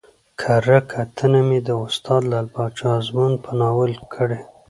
کره کتنه مې د استاد لعل پاچا ازمون په ناول کړى